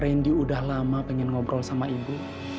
randy udah lama pengen ngobrol sama ibu